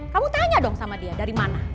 kamu tanya dong sama dia dari mana